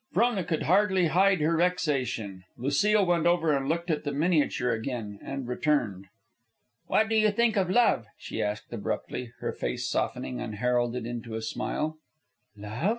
Frona could hardly hide her vexation. Lucile went over and looked at the miniature again and returned. "What do you think of love?" she asked abruptly, her face softening unheralded into a smile. "Love?"